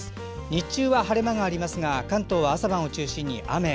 日中は晴れ間がありますが関東は朝晩を中心に雨。